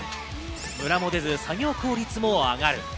ムラも出ず、作業効率も上がる。